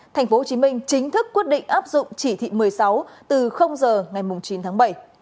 thành phố hồ chí minh chính thức quyết định áp dụng chỉ thị một mươi sáu từ giờ ngày chín tháng bảy